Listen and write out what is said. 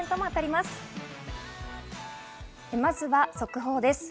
まずは速報です。